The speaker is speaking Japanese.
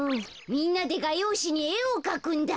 みんなでがようしにえをかくんだ。